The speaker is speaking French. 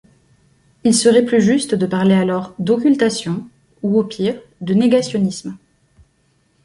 Il serait plus juste de parler alors d'occultation, ou au pire de négationnisme.